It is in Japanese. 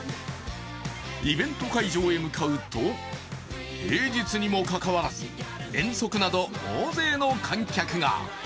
イベント会場へ向かうと、平日にもかかわらず、遠足など大勢の観客が。